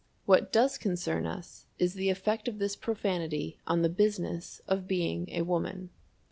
What does concern us is the effect of this profanity on the Business of Being a Woman.